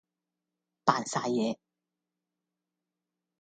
扮曬嘢